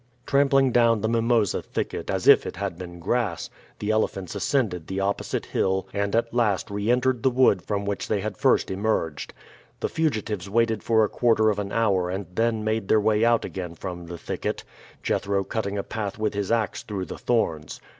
Trampling down the mimosa thicket as if it had been grass, the elephants ascended the opposite hill and at last re entered the wood from which they had first emerged. The fugitives waited for a quarter of an hour and then made their way out again from the thicket, Jethro cutting a path with his ax through the thorns.